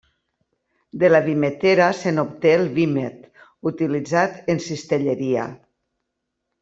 De la vimetera se n'obté el vímet, utilitzat en cistelleria.